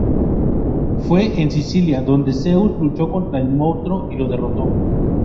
Fue en Cilicia donde Zeus luchó con el monstruo y lo derrotó.